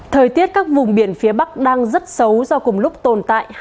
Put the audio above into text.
thời tiết các vùng biển phía bắc đang rất xấu do cùng lúc tồn tại